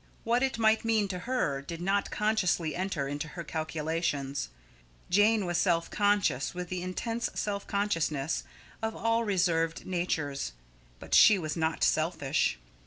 What it might mean to her did not consciously enter into her calculations. Jane was self conscious, with the intense self consciousness of all reserved natures, but she was not selfish.